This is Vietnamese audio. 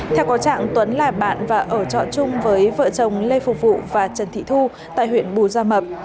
theo có trạng tuấn là bạn và ở trọ chung với vợ chồng lê phục vụ và trần thị thu tại huyện bù gia mập